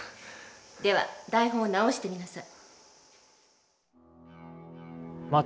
では台本を直してみなさい。